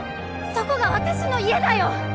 そこが私の家だよ！